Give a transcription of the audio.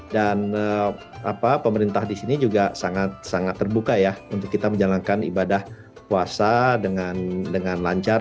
dan pemerintah di sini juga sangat terbuka ya untuk kita menjalankan ibadah puasa dengan lancar